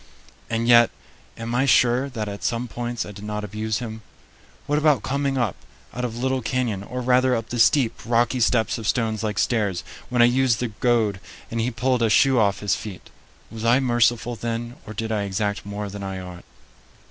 And yet, am I sure that at some points I did not abuse him? What about coming up out of Little Canyon, or rather up the steep, rocky steps of stones like stairs, when I used the goad, and he pulled a shoe off his feet? Was I merciful then, or did I exact more than I ought?